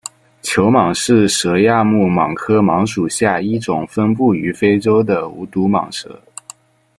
球蟒是蛇亚目蟒科蟒属下一种分布于非洲的无毒蟒蛇。